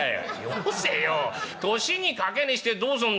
「よせよ年に掛値してどうすんだい」。